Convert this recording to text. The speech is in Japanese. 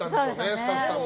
スタッフさんも。